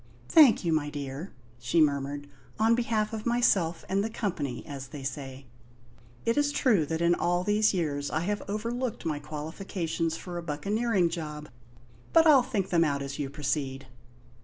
"Thank you, my dear," she murmured; "on behalf of myself and the company, as they say. It is true that in all these years I have overlooked my qualifications for a buccaneering job; but I'll think them out as you proceed."